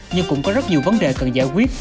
nhưng cũng có rất nhiều vấn đề cần giải quyết